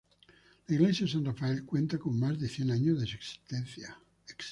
La Iglesia de San Rafael cuenta con más de cien años de existencia.